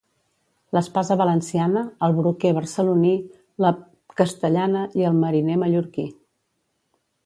L'espasa valenciana, el broquer barceloní, la p... castellana i el mariner mallorquí.